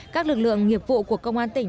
các lực lượng nghiệp vụ của công an tỉnh